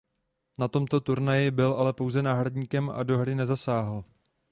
Na tomto turnaji byl ale pouze náhradníkem a do hry nezasáhl.